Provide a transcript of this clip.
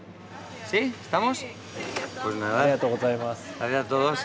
ありがとうございます。